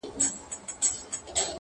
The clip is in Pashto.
• ما د سمسوره باغه واخیسته لاسونه,